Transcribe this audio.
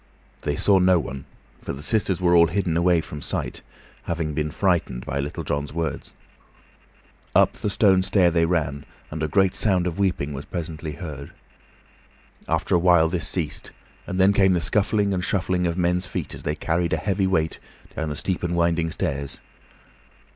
They saw no one, for the sisters were all hidden away from sight, having been frightened by Little John's words. Up the stone stair they ran, and a great sound of weeping was presently heard. After a while this ceased, and then came the scuffling and shuffling of men's feet as they carried a heavy weight down the steep and winding stairs.